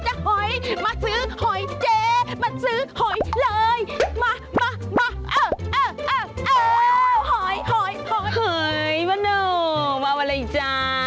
เฮ่ยพะนมเอาอะไรจ๊ะ